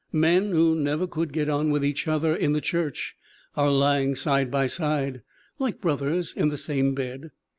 Men who never could get on with each other in the church are lying side by side, like brothers in the same bed.